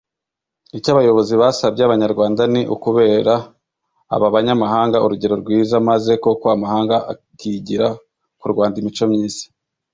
Icyo abayobozi basabye Abanyarwanda ni ukubera aba banyamahanga urugero rwiza maze koko amahanga akigira ku Rwanda imico myiza